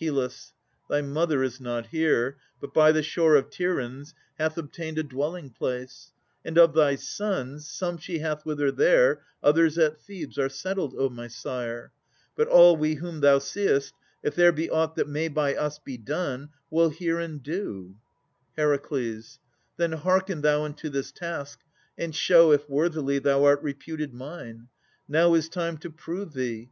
HYL. Thy mother is not here, but by the shore Of Tiryns hath obtained a dwelling place; And of thy sons, some she hath with her there, And some inhabit Thebè's citadel. But we who are with thee, sire, if there be aught That may by us be done, will hear, and do. HER. Then hearken thou unto this task, and show If worthily thou art reputed mine. Now is time to prove thee.